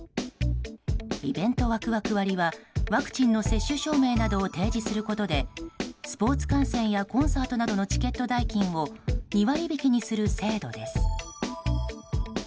イベントワクワク割はワクチンの接種証明などを提示することでスポーツ観戦やコンサートなどのチケット代金を２割引きにする制度です。